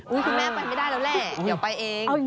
คุณแม่ไปไม่ได้แล้วแหละเดี๋ยวไปเอง